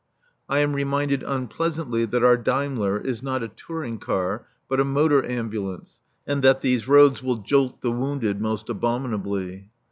I am reminded unpleasantly that our Daimler is not a touring car but a motor ambulance and that these roads will jolt the wounded most abominably.